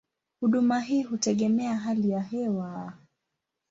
Huduma hii hutegemea hali ya hewa.